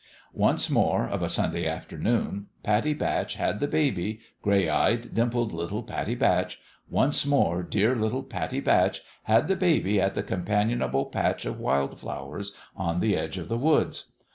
Once more, of a Sunday afternoon, Pattie Batch had the baby gray eyed, dimpled little Pattie Batch once more dear little Pattie Batch had the baby at the companionable patch of wild flowers on the edge of the woods.